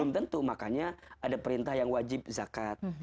belum tentu makanya ada perintah yang wajib zakat